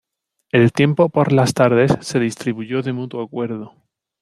El tiempo por las tardes se distribuyó de mutuo acuerdo.